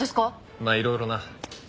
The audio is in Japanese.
まあいろいろな。